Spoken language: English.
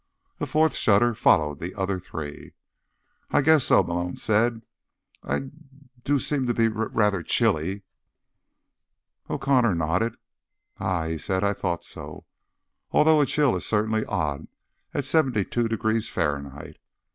A fourth shudder followed the other three. "I—guess so," Malone said. "I d d—I do s seem to be r r rather chilly." O'Connor nodded. "Ah," he said. "I thought so. Although a chill is certainly odd at seventy two degrees Fahrenheit."